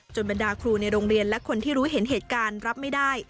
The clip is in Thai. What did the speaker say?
บรรดาครูในโรงเรียนและคนที่รู้เห็นเหตุการณ์รับไม่ได้